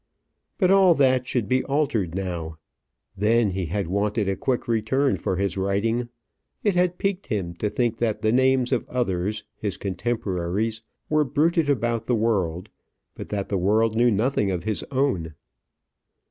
But all that should be altered now. Then he had wanted a quick return for his writing. It had piqued him to think that the names of others, his contemporaries, were bruited about the world, but that the world knew nothing of his own.